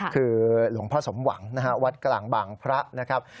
คือหลวงพ่อสมหวังนะฮะวัดกลางบางพระนะครับ